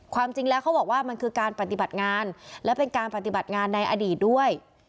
ความจริงแล้วเขาบอกว่ามันคือการปฏิบัติงานและเป็นการปฏิบัติงานในอดีตด้วย